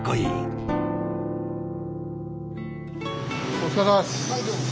お疲れさまです。